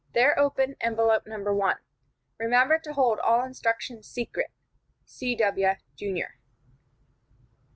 There open envelope No. 1. Remember to hold all instructions secret. C.W., Jr."